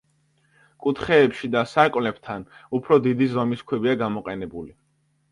კუთხეებში და სარკმლებთან ურო დიდი ზომის ქვებია გამოყენებული.